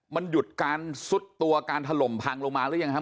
มันหยุดการซุดตัวการถล่มพังลงมาหรือยังครับ